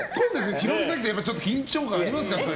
ヒロミさんといえば緊張感ありますから。